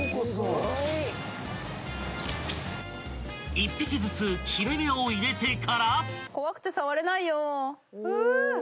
［１匹ずつ切れ目を入れてから］